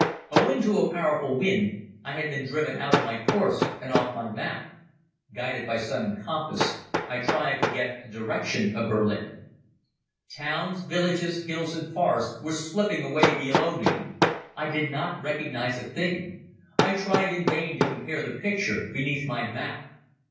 Owing to a powerful wind I had been driven out of my course and off my map. Guided by sun and compass I tried to get the direction of Berlin. Towns, villages, hills and forests were slipping away below me. I did not recognize a thing. I tried in vain to compare the picture beneath my map.